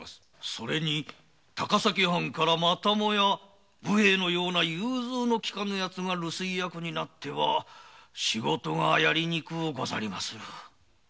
それに高崎藩からまたもや武兵衛のような融通のきかぬヤツが留守居役になっては仕事がやりにくうござりまする。